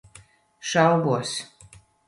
Šaubos.